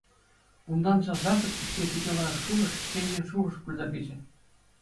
Унтан сасартӑк пуҫне питӗ лайӑх шухӑш, ҫӗнӗ шухӑш пырса кӗчӗ.